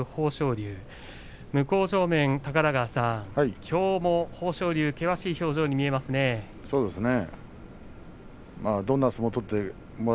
龍高田川さん、きょうも豊昇龍険しい表情に見えますね。